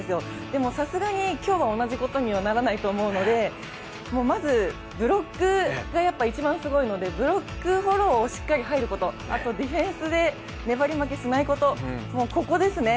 でもさすがに今日は同じことにはならないと思うのでまず、ブロックが一番すごいので、ブロックフォローにしっかり入ることあとディフェンスで粘り負けしないこともうここですね。